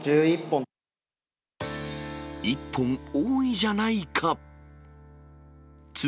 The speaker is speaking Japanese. １本多いじゃな